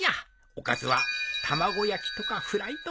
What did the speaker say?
おかずは卵焼きとかフライとか。